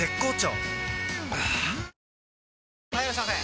はぁ・はいいらっしゃいませ！